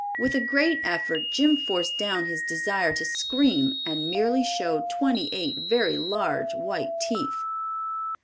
With a great effort Jim forced down his desire to scream and merely showed twenty eight very large, white teeth.